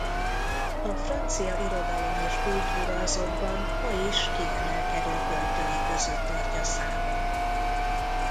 A francia irodalom és kultúra azonban ma is kiemelkedő költői között tartja számon.